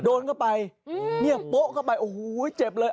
โดนเข้าไปเนี่ยโป๊ะเข้าไปโอ้โหเจ็บเลย